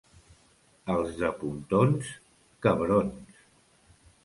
Els de Pontons, cabrons.